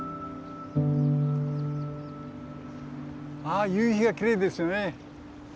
ああ夕日がきれいですよね。